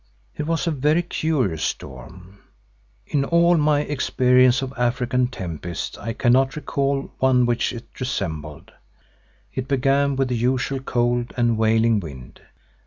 It was a very curious storm; in all my experience of African tempests I cannot recall one which it resembled. It began with the usual cold and wailing wind.